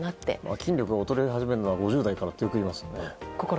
筋力が衰え始めるのは５０代からといいますから。